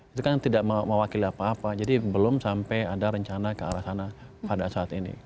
itu kan tidak mewakili apa apa jadi belum sampai ada rencana ke arah sana pada saat ini